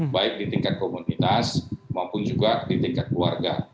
baik di tingkat komunitas maupun juga di tingkat keluarga